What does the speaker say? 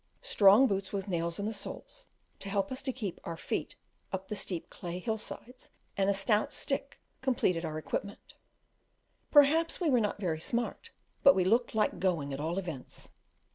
Strong boots with nails in the soles, to help us to keep on our feet up the steep clay hill sides, and a stout stick, completed our equipment; perhaps we were not very smart, but we looked like going at all events.